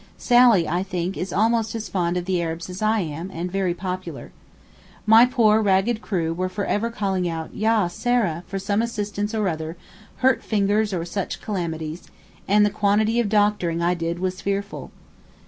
Sally, I think, is almost as fond of the Arabs as I am, and very popular. My poor ragged crew were for ever calling out 'Yah Sara' for some assistance or other, hurt fingers or such calamities; and the quantity of doctoring I did was fearful.